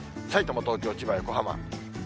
さいたま、東京、千葉、横浜。